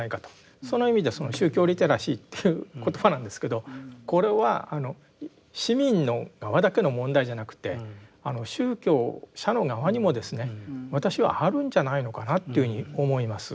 その意味でその宗教リテラシーという言葉なんですけどこれは市民の側だけの問題じゃなくて宗教者の側にもですね私はあるんじゃないのかなというふうに思います。